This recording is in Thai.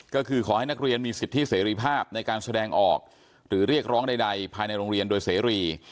ก็คือขอให้นักเรียนมีสิทธิเสรีภาพในการแสดงออกหรือเรียกร้องใดภายในโรงเรียนโดยเสรี